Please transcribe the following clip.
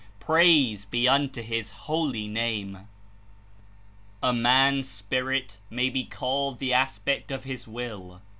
"Praise be unto His Holy Name !" A man's spirit may be called the aspect of his will.